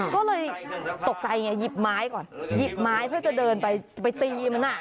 ก็เลยตกใจไงหยิบไม้ก่อนหยิบไม้เพื่อจะเดินไปไปตีมันอ่ะ